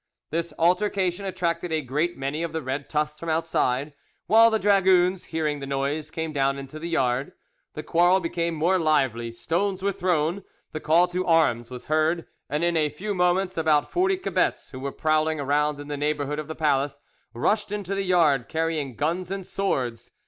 This altercation attracted a great many of the red tufts from outside, while the dragoons, hearing the noise, came down into the yard; the quarrel became more lively, stones were thrown, the call to arms was heard, and in a few moments about forty cebets, who were prowling around in the neighbourhood of the palace, rushed into the yard carrying guns and swords.